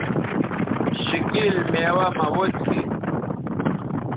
شِکِیل میوہ مہ وڅکیئ